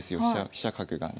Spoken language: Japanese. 飛車角がね。